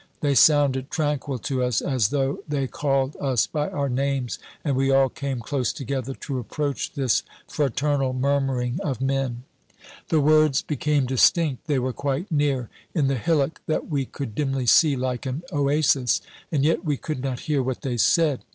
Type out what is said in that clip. They sounded tranquil to us, as though they called us by our names, and we all came close together to approach this fraternal murmuring of men. The words became distinct. They were quite near in the hillock that we could dimly see like an oasis: and yet we could not hear what they said.